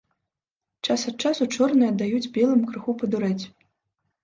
Час ад часу чорныя даюць белым крыху падурэць.